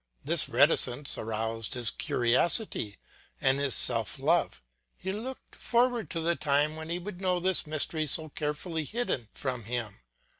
This reticence aroused his curiosity and his self love; he looked forward to the time when he would know this mystery so carefully hidden from him.